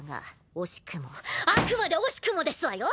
惜しくもあくまで惜しくもですわよ！